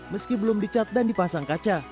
meski belum dicat dan dipasang kaca